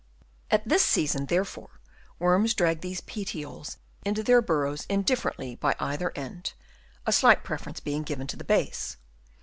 At this season, there fore, worms drag these petioles into their burrows indifferently by either end, a slight preference being given to the base.